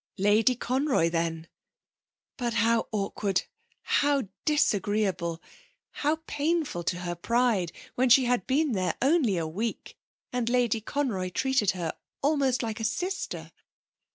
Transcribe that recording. Lady Conroy then.... But how awkward, how disagreeable, how painful to her pride when she had been there only a week and Lady Conroy treated her almost like a sister!...